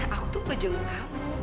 aku tuh kejunggu kamu